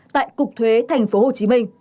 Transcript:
tại cục thuế tp hcm